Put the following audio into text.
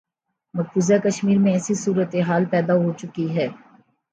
مقبوضہ کشمیر میں ایسی صورتحال پیدا ہو چکی ہے۔